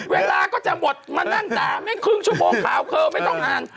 เวลาก็จะหมดมานั่งด่าแม่งครึ่งชั่วโมงข่าวเคอร์ไม่ต้องอ่าน